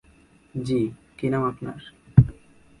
জ্বি, কী নাম আপনার?